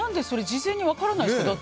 事前に分からないですか。